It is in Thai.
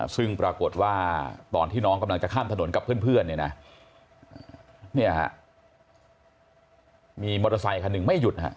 ซึ่งปรากฏว่าตอนที่น้องกำลังจะข้ามถนนกับเพื่อนเนี่ยนะมีมอเตอร์ไซคันหนึ่งไม่หยุดฮะ